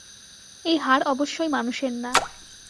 এই হাড় অবশ্যই মানুষের না।